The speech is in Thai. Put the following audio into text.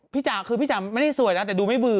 จ๋าคือพี่จ๋าไม่ได้สวยนะแต่ดูไม่เบื่อ